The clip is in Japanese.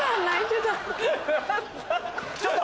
ちょっと！